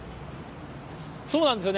そうなんですよね。